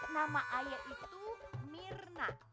nama ayah itu mirna